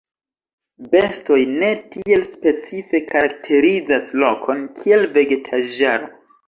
Bestoj ne tiel specife karakterizas lokon kiel vegetaĵaro.